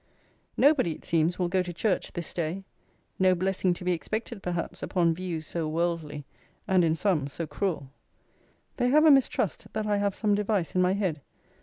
Nobody it seems will go to church this day. No blessing to be expected perhaps upon views so worldly, and in some so cruel. They have a mistrust that I have some device in my head.